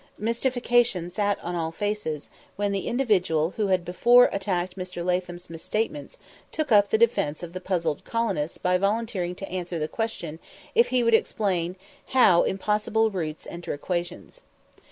Mystification sat on all faces, when the individual who had before attacked Mr. Latham's misstatements, took up the defence of the puzzled colonists by volunteering to answer the question if he would explain how "impossible roots enter equations."